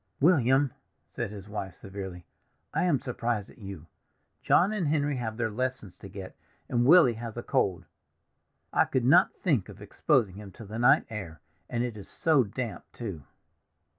"William!" said his wife severely, "I am surprised at you. John and Henry have their lessons to get, and Willy has a cold; I could not think of exposing him to the night air; and it is so damp, too!"